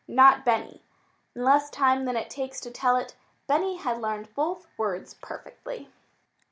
Not Benny! In less time than it takes to tell it, Benny had learned both words perfectly.